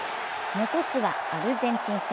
残すはアルゼンチン戦。